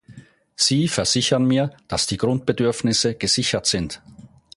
Sie versichern mir, dass die Grundbedürfnisse gesichert sind.